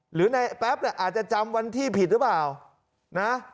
หรือในแป๊บเนี่ยอาจจะจำวันที่ผิดหรือเปล่านะ